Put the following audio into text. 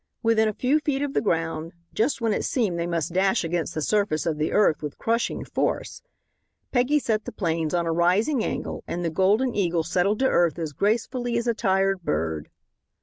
Within a few feet of the ground, just when it seemed they must dash against the surface of the earth with crushing force, Peggy set the planes on a rising angle and the Golden Eagle settled to earth as gracefully as a tired bird.